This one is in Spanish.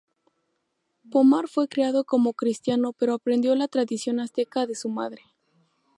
Pomar fue criado como cristiano pero aprendió la tradición azteca de su madre.